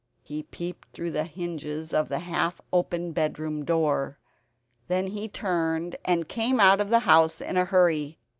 He peeped through the hinges of the half open bedroom door. Then he turned and came out of the house in a hurry.